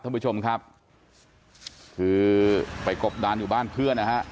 ท่านผู้ชมครับคือไปกบดานอยู่บ้านเพื่อนนะฮะ